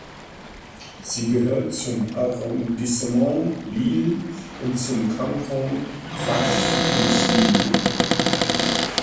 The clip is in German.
Sie gehört zum Arrondissement Lille und zum Kanton Faches-Thumesnil.